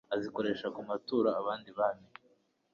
azikoresha ku maturo abandi bami